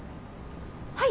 はい。